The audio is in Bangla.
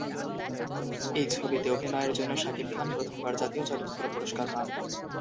এই ছবিতে অভিনয়ের জন্য শাকিব খান প্রথমবার জাতীয় চলচ্চিত্র পুরস্কার পান।